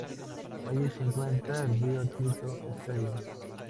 Allí se encuentra el Rio Tinto Stadium.